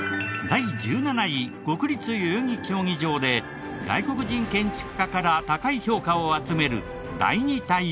第１７位国立代々木競技場で外国人建築家から高い評価を集める第二体育館。